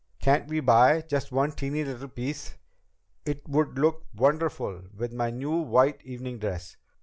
Can't we buy just one teeny little piece? It would look wonderful with my new white evening dress!